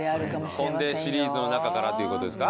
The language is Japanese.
ポン・デシリーズの中からという事ですか？